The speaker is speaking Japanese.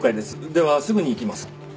ではすぐに行きます。